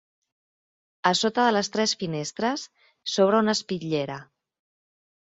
A sota de les tres finestres s'obre una espitllera.